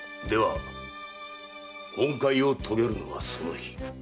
では本懐を遂げるのはその日。